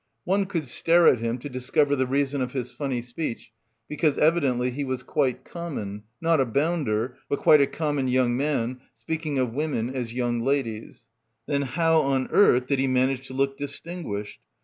One could stare at him to discover the reason of his funny speech, because evidently he was quite common, not a bounder but quite a common young man, speaking of women as 'young ladies/ Then how on earth did he manage to look distinguished.